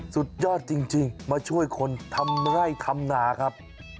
สุดยอดจริงมาช่วยคนทำไร่ทำนาครับ